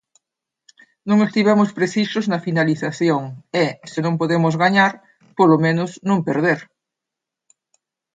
Non estivemos precisos na finalización e, se non podemos gañar, polo menos non perder.